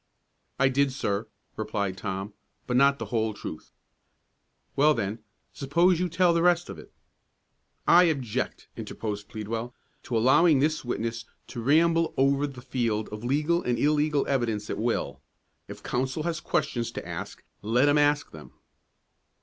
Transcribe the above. "I did, sir," replied Tom, "but not the whole truth." "Well, then, suppose you tell the rest of it." "I object," interposed Pleadwell, "to allowing this witness to ramble over the field of legal and illegal evidence at will. If counsel has questions to ask, let him ask them."